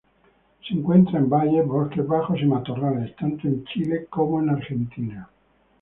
Se encuentra en valles, bosques bajos y matorrales, tanto en Chile como en Argentina.